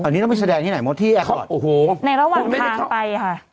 อันนี้เราไม่แสดงอันนี้ไหนมองเที่ยงในระหว่างทางไปค่ะ